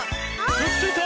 くっついた！